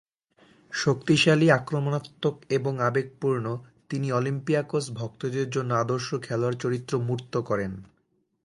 শক্তিশালী, আক্রমণাত্মক এবং আবেগপূর্ণ, তিনি অলিম্পিয়াকোস ভক্তদের জন্য আদর্শ খেলোয়াড় চরিত্র মূর্ত করেন।